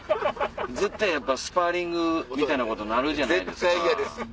絶対やっぱスパーリングみたいなことになるじゃないですか。